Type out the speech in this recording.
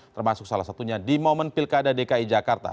termasuk salah satunya di momen pilkada dki jakarta